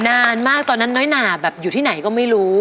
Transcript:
นานมากตอนนั้นน้อยหนาแบบอยู่ที่ไหนก็ไม่รู้